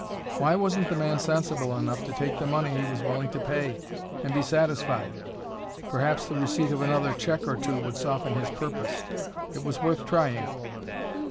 Why wasn't the man sensible enough to take the money he was willing to pay, and be satisfied? Perhaps the receipt of another check or two would soften his purpose; it was worth trying.